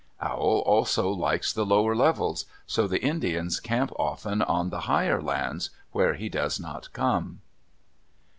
Owl also likes the lower levels, so the Indians camp often on the higher lands where he does not come.